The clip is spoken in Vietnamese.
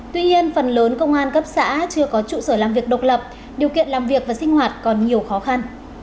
tuy nhiên phần lớn công an cấp xã chưa có trụ sở làm việc độc lập điều kiện làm việc và sinh hoạt còn nhiều khó khăn